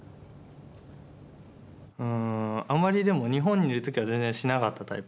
あんまりでも日本にいる時は全然しなかったタイプ。